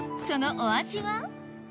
そのお味は？